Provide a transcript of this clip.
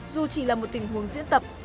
dù chỉ là một tình huống diễn tập